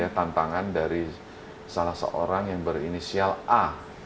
tantangan dari salah seorang yang berinisial a